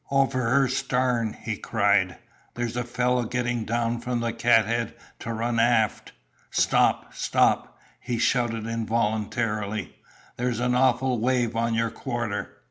"Over her starn!" he cried. "There's a fellow getting down from the cat head to run aft. Stop, stop!" he shouted involuntarily. "There's an awful wave on your quarter."